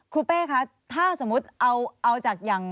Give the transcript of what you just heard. เป้คะถ้าสมมุติเอาจากอย่าง